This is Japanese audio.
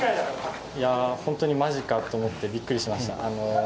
いやぁ、本当にまじかと思って、びっくりしました。